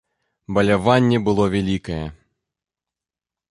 Баляванне было вялікае.